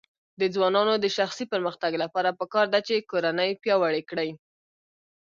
د ځوانانو د شخصي پرمختګ لپاره پکار ده چې کورنۍ پیاوړې کړي.